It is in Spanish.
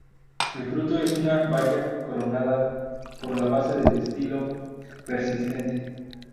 El fruto es una baya coronada por la base del estilo persistente.